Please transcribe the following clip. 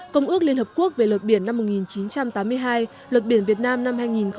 công ước liên hợp quốc về luật biển năm một nghìn chín trăm tám mươi hai luật biển việt nam năm hai nghìn một mươi hai